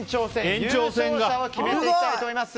優勝者を決めていきたいと思います。